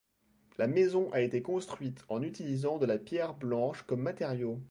La maison a été construite en utilisant de la pierre blanche comme matériau.